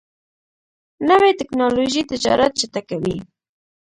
نوې ټکنالوژي تجارت چټکوي.